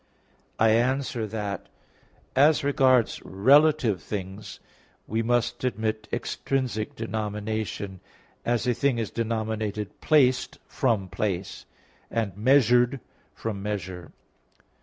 I answer that, As regards relative things, we must admit extrinsic denomination; as, a thing is denominated "placed" from "place," and "measured" from "measure."